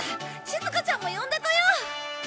しずかちゃんも呼んでこよう！